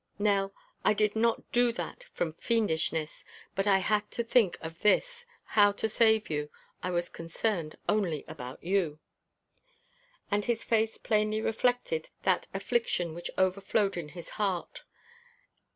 Nell, I did not do that from fiendishness, but I had to think of this, how to save you I was concerned only about you " And his face plainly reflected that affliction which overflowed in his heart.